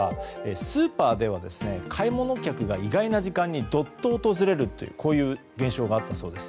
スーパーでは買い物客が意外な時間にどっと訪れるという現象があったそうです。